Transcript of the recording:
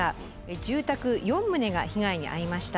住宅４棟が被害に遭いました。